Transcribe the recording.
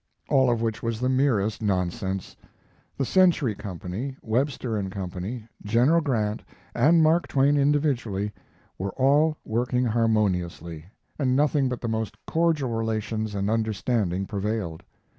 All of which was the merest nonsense. The Century Company, Webster & Co., General Grant, and Mark Twain individually, were all working harmoniously, and nothing but the most cordial relations and understanding prevailed.